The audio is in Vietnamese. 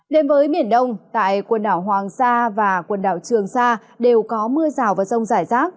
đến với biển đông tại quần đảo hoàng sa và quần đảo trường sa đều có mưa rào và rông rải rác